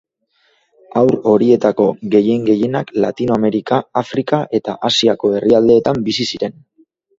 Haur horietako gehien-gehienak Latinoamerika, Afrika eta Asiako herrialdeetan bizi ziren.